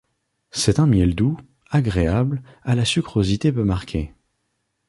C’est un miel doux, agréable, à la sucrosité peu marquée.